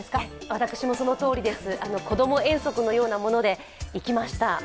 私もそのとおりです、子供遠足のようなもので行きました。